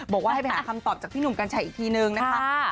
บอกว่าให้ไปหาคำตอบจากพี่หนุ่มกัญชัยอีกทีนึงนะคะ